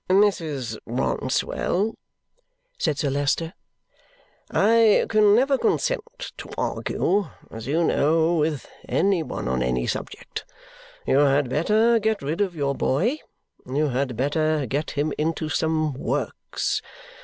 "Mrs. Rouncewell," said Sir Leicester, "I can never consent to argue, as you know, with any one on any subject. You had better get rid of your boy; you had better get him into some Works.